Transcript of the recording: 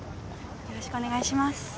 よろしくお願いします。